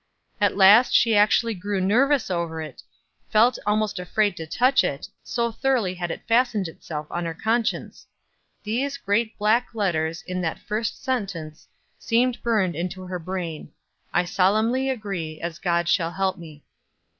At last she actually grew nervous over it, felt almost afraid to touch it, so thoroughly had it fastened itself on her conscience. These great black letters in that first sentence seemed burned into her brain: "I solemnly agree, as God shall help me."